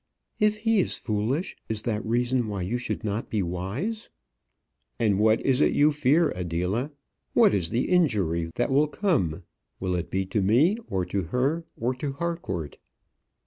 "If he is foolish, is that reason why you should not be wise?" "And what is it you fear, Adela? What is the injury that will come? Will it be to me, or to her, or to Harcourt?"